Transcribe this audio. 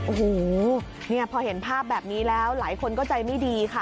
โอ้โหเนี่ยพอเห็นภาพแบบนี้แล้วหลายคนก็ใจไม่ดีค่ะ